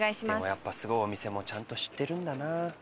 ウエンツ：やっぱ、すごいお店もちゃんと知ってるんだな。